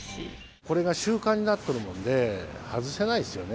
これが習慣になっとるもんで、外せないですよね。